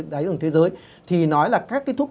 đáy đường thế giới thì nói là các cái thuốc